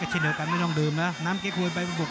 กับชิ้นกันไม่จงดื่มแล้วน้ำกึ๊กคูยไปบก